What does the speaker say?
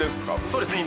・そうですね